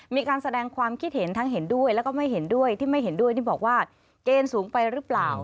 มีการแสดงความคิดเห็นทั้งเห็นด้วยแล้วก็ไม่เห็นด้วยที่ไม่เห็นด้วยนี่บอกว่าเกณฑ์สูงไปหรือเปล่า